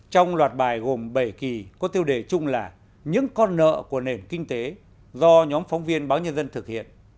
trong loạt bài gồm bảy kỳ có tiêu đề chung là những con nợ của nền kinh tế do nhóm phóng viên báo nhân dân thực hiện